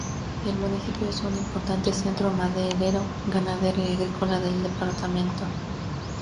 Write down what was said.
El municipio es un importante centro maderero, ganadero y agrícola del departamento.